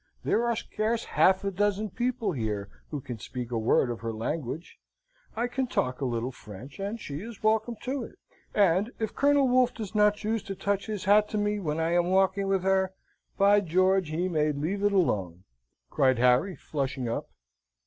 there are scarce half a dozen people here who can speak a word of her language. I can talk a little French, and she is welcome to it; and if Colonel Wolfe does not choose to touch his hat to me, when I am walking with her, by George he may leave it alone," cried Harry, flushing up.